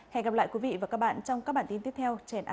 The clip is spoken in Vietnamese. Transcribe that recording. hẹn gặp lại quý vị và các bạn trong các bản tin tiếp theo trên antv